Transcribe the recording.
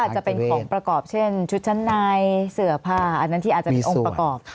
ก็อาจไปเป็นของประกอบเช่นชุดชั้นนายเสื้อผ้าอันนั้นอาจจะไม่มีส่วน